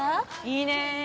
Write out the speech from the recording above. いいねぇ。